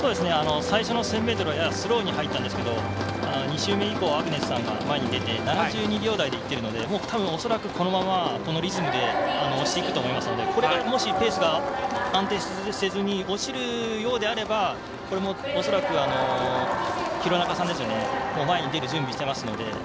最初の１０００ｍはややスローに入ったんですが２周目以降アグネスさんが前に出て７２秒台でいってるのでたぶん恐らくこのままこのリズムで押していくと思いますのでこれがもしペースが安定せずに落ちるようであればこれも恐らく廣中さん前に出る準備していますので。